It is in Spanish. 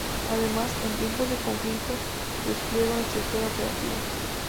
Además, en tiempos de conflicto despliega una estructura operativa.